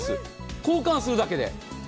交換するだけで。